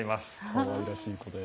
かわいらしい子で。